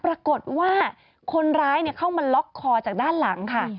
ปรากฏว่าคนร้ายเข้ามาล็อกคอจากด้านหลังค่ะ